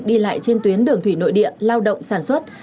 đi lại trên tuyến đường thủy nội địa lao động sản xuất